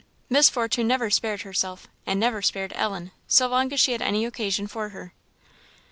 Miss Fortune never spared herself, and never spared Ellen, so long as she had any occasion for her.